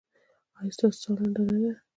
ایا ستاسو ساه لنډه نه ده؟